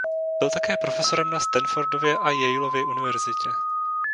Byl také profesorem na Stanfordově a Yaleově univerzitě.